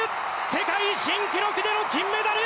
世界新記録での金メダル！